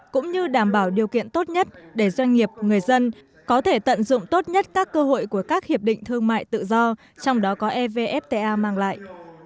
cũng như đảm bảo điều kiện tốt nhất để doanh nghiệp người dân có thể tận dụng tốt nhất các cơ hội của các hiệp định thương mại tự do trong đó có evfta mang lại